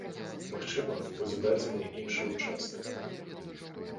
Магчыма, будзе дадзены іншы ўчастак.